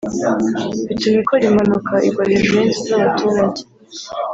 bituma ikora impanuka igwa hejuru y’inzu z’abaturage